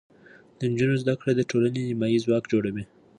د نجونو زده کړه د ټولنې نیمایي ځواک جوړوي.